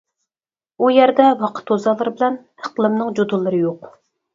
ئۇ يەردە ۋاقىت توزانلىرى بىلەن ئىقلىمنىڭ جۇدۇنلىرى يوق.